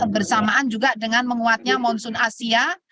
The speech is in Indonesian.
bersamaan juga dengan menguatnya monsoon asia